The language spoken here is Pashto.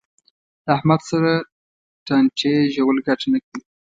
له احمد سره ټانټې ژول ګټه نه کوي.